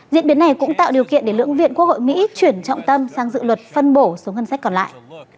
diễn biến này cũng tạo điều kiện để lưỡng viện quốc hội mỹ chuyển trọng tâm sang dự luật phân bổ số ngân sách còn lại